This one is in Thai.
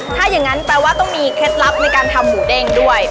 ถ้าอย่างนั้นแปลว่าต้องมีเคล็ดลับในการทำหมูเด้งด้วย